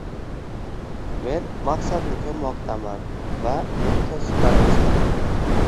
Men maqsadni ko'rmoqdaman - va men to'siqlarni sezmayman!